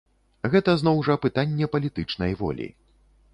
Гэта зноў жа пытанне палітычнай волі.